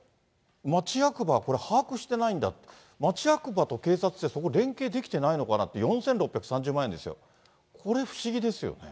町役場、これ把握してないんだ、町役場と警察って、そこ、連携できてないのかなって、４６３０万円ですよ、これ、不思議ですよね。